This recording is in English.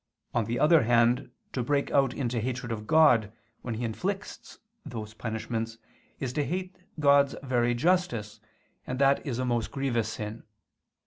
On the other hand, to break out into hatred of God when He inflicts those punishments, is to hate God's very justice, and that is a most grievous sin.